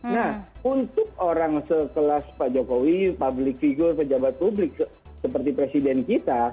nah untuk orang sekelas pak jokowi public figure pejabat publik seperti presiden kita